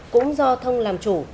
cũng do thông làm chủ